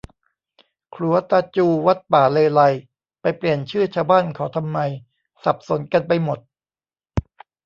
ขรัวตาจู วัดป่าเลไลย ไปเปลี่ยนชื่อชาวบ้านเขาทำไม สับสนกันไปหมด